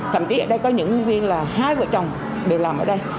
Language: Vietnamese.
thậm chí ở đây có những nhân viên là hai vợ chồng đều làm ở đây